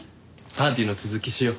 パーティーの続きしよう。